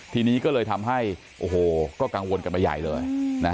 ทีนี้ก็เลยทำให้กังวลกันไปใหญ่เลย